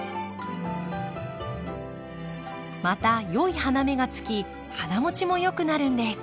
また良い花芽がつき花もちもよくなるんです。